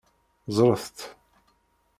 Ẓṛet-tt.